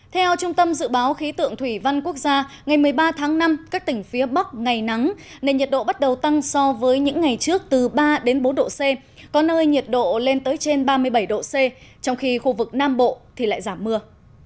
theo trung tâm dự báo khí tượng thủy văn quốc gia ngày một mươi ba tháng năm các tỉnh phía bắc ngày nắng nên nhiệt độ bắt đầu tăng so với những ngày trước từ ba đến bốn độ c có nơi nhiệt độ lên tới trên ba mươi bảy độ c trong khi khu vực nam bộ thì lại giảm mưa